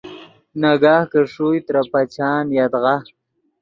ناگاہ کہ ݰوئے ترے پچان یدغا